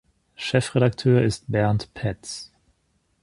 Chefredakteur ist Bernd Paetz.